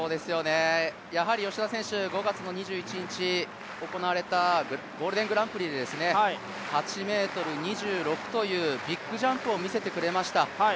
やはり吉田選手、５月２１日に行われたゴールデングランプリで、８ｍ２６というビッグジャンプを見せてくれました。